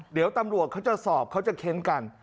เดี๋ยวตำรวจเขาจะสอบเขาจะเค้นกัน